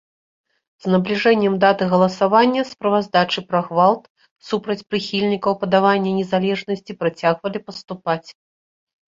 З набліжэннем даты галасавання справаздачы пра гвалт супраць прыхільнікаў падавання незалежнасці працягвалі паступаць.